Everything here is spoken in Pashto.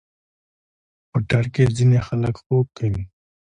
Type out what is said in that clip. موټر کې ځینې خلک خوب کوي.